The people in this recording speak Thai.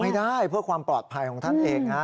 ไม่ได้เพื่อความปลอดภัยของท่านเองนะ